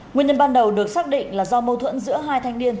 nguyên nhân ban đầu được xác định là do mâu thuẫn giữa hai thanh niên